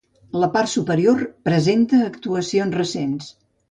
La part superior presenta actuacions recents.